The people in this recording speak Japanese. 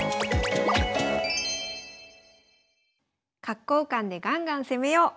角交換でガンガン攻めよう。